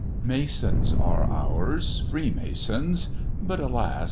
Masons are ours, Freemasons but, alas!